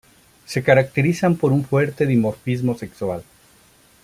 Se caracterizan por un fuerte dimorfismo sexual.